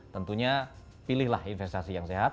tentunya pilihlah investasi yang sehat